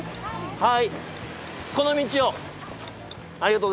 はい。